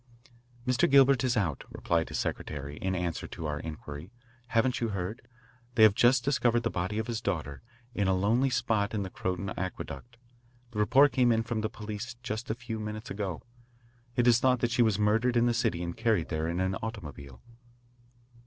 "Mr. Gilbert is out," replied his secretary, in answer to our inquiry. "Haven't you heard? They have just discovered the body of his daughter in a lonely spot in the Croton Aqueduct. The report came in from the police just a few minutes ago. It is thought that she was murdered in the city and carried there in an automobile."